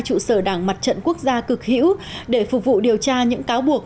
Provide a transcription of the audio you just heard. trụ sở đảng mặt trận quốc gia cực hữu để phục vụ điều tra những cáo buộc